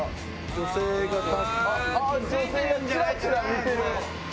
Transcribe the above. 女性がチラチラ見てる！